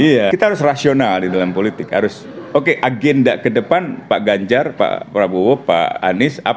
iya kita harus rasional di dalam politik harus oke agenda kedepan pak ganjar pak prabowo pak anies